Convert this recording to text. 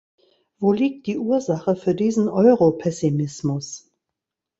Wo liegt die Ursache für diesen Europessimismus?